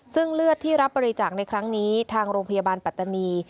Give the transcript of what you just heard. ซึ่งเลือดที่รับบริจาคในครั้งนี้ทางโรงพยาบาลปัตตานี